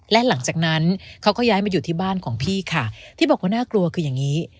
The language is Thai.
และหลังจากนั้นเขาก็ย้ายมาอยู่ที่บ้านของพี่ค่ะที่บอกว่าน่ากลัวคืออย่างนี้